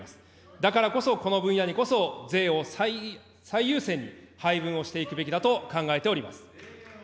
だからこそ、この分野にこそ、税を最優先に配分をしていくべきだと考えております。